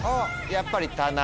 やっぱり「棚」。